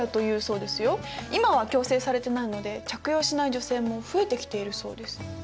今は強制されてないので着用しない女性も増えてきているそうです。